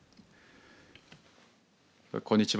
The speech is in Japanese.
こんにちは。